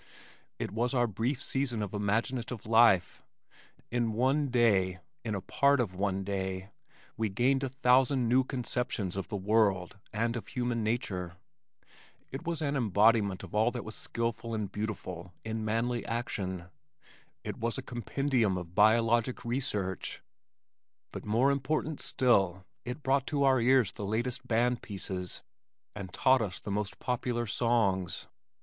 It was our brief season of imaginative life. In one day in a part of one day we gained a thousand new conceptions of the world and of human nature. It was an embodiment of all that was skillful and beautiful in manly action. It was a compendium of biologic research but more important still, it brought to our ears the latest band pieces and taught us the most popular songs.